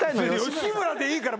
吉村でいいから！